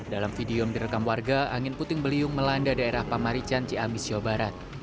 dalam video yang direkam warga angin puting beliung melanda daerah pamarican ciamis jawa barat